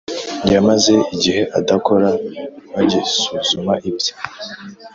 yamaze igihe adakora bagisuzuma ibye